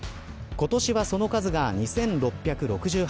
今年はその数が２６６８人。